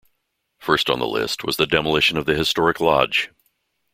First on the list was the demolition of the historic lodge.